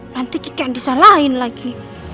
nanti kike yang disalahin lagi